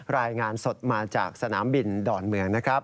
รายงานสดมาจากสนามบินดอนเมืองนะครับ